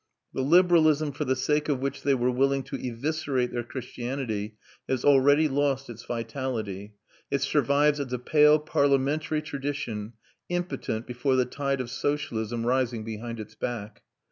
The liberalism for the sake of which they were willing to eviscerate their Christianity has already lost its vitality; it survives as a pale parliamentary tradition, impotent before the tide of socialism rising behind its back.